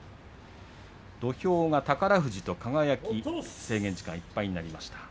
土俵は宝富士と輝制限時間いっぱいとなりました。